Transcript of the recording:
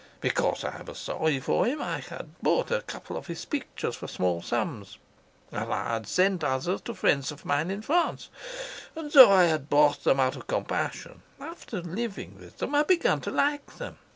Because I was sorry for him, I had bought a couple of his pictures for small sums, and I had sent others to friends of mine in France. And though I had bought them out of compassion, after living with them I began to like them.